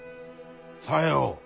さよう。